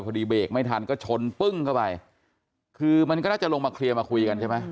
เบรกไม่ทันก็ชนปึ้งเข้าไปคือมันก็น่าจะลงมาเคลียร์มาคุยกันใช่ไหม